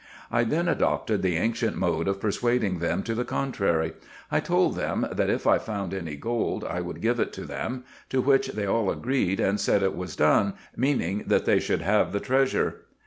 I then adopted the ancient mode of persuading them to the contrary. I told them that if I found any gold I would give it to them, to which they all agreed, and said it was done, meaning that they should have the treasure.